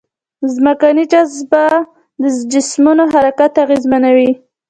ځمکنۍ جاذبه د جسمونو حرکت اغېزمنوي.